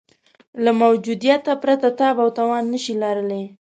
له موجودیته پرته تاب او توان نه شي لرلای.